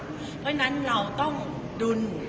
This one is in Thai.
เพราะฉะนั้นเราต้องดุล